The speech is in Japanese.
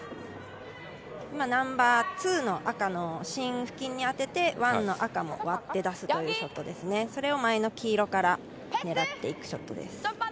今、ナンバーツーの赤の芯付近に当ててワンの赤も割って出すというショット、それを前の黄色から狙っていくショットです。